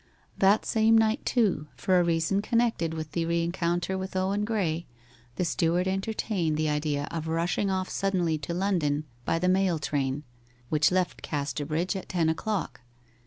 That same night, too, for a reason connected with the rencounter with Owen Graye, the steward entertained the idea of rushing off suddenly to London by the mail train, which left Casterbridge at ten o'clock.